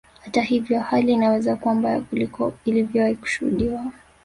Hata ivyo hali inaweza kuwa mbaya kuliko ilivyowahi kushuhudiwa